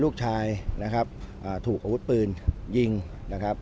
ลูกชายนะครับถูกอาวุธปืนยิงนะครับ